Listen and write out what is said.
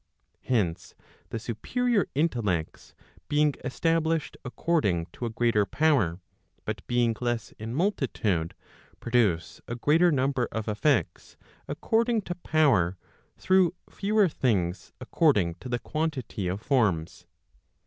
Hence the superior intellects, being established according to a greater power, but being less in multitude, produce a greater number of effects, according to power, through fewer things according to the quantity of forms.